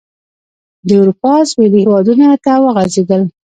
د اروپا سوېلي هېوادونو ته وغځېدل.